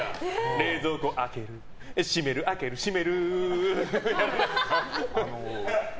冷蔵庫開ける閉める、開ける、閉める！